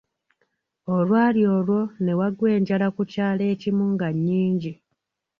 Olwali olwo ne wagwa enjala ku kyalo ekimu nga nnyingi.